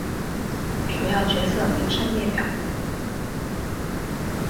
主要角色名称列表。